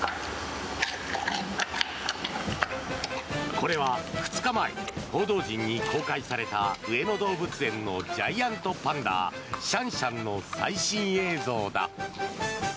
これは２日前報道陣に公開された上野動物園のジャイアントパンダシャンシャンの最新映像だ。